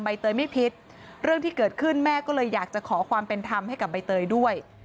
เตยไม่ผิดเรื่องที่เกิดขึ้นแม่ก็เลยอยากจะขอความเป็นธรรมให้กับใบเตยด้วย